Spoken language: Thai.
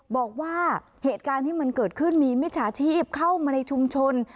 บอกว่าเหตุการณ์ที่มันเกิดขึ้นมีมิจฉาชีพเข้ามาในชุมชน